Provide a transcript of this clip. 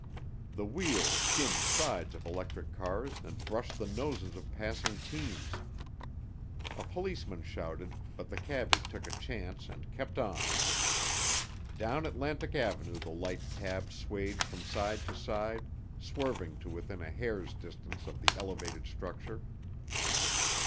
The wheels skimmed sides of electric cars and brushed the noses of passing teams. A policeman shouted, but the cabby took a chance and kept on. Down Atlantic Avenue the light cab swayed from side to side, swerving to within a hair's distance of the elevated structure.